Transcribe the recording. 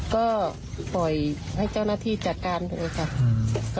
ก็ปล่อยให้เจ้าหน้าที่จัดการเลยค่ะ